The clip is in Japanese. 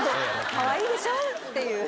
かわいいでしょ？っていう。